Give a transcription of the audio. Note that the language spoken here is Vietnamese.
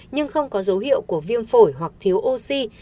nhưng không có dấu hiệu của viêm phổi hoặc thiếu oxy